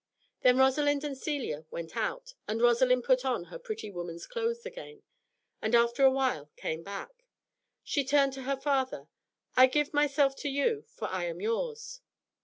Then Rosalind and Celia went out, and Rosalind put on her pretty woman's clothes again, and after a while came back. She turned to her father "I give myself to you, for I am yours."